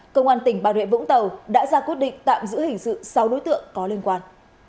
công an tỉnh bà rịa vũng tàu đã ra quyết định tạm giữ hình sự sáu đối tượng có liên quan